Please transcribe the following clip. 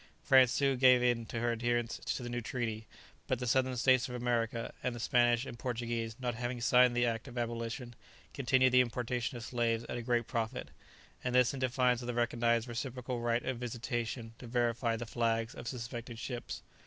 France soon gave in her adherence to the new treaty, but the Southern States of America, and the Spanish and Portuguese, not having signed the act of abolition, continued the importation of slaves at a great profit, and this in defiance of the recognized reciprocal right of visitation to verify the flags of suspected ships.